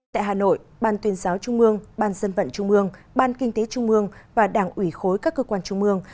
tại hà nội ban tuyên giáo trung mương ban dân vận trung mương ban kinh tế trung mương và đảng ủy khối các cơ quan trung mương